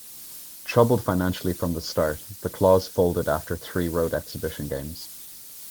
Troubled financially from the start, the Claws folded after three road exhibition games.